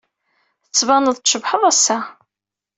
Tettbaneḍ-d tcebḥeḍ ass-a.